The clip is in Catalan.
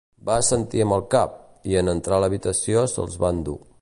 Va assentir amb el cap, i en entrar a l'habitació se'ls va endur.